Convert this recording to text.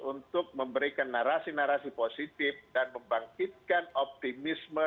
untuk memberikan narasi narasi positif dan membangkitkan optimisme